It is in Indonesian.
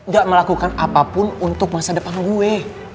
gak melakukan apapun untuk masa depan gue